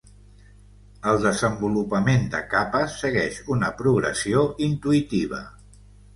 El desenvolupament de capes segueix una progressió intuïtiva.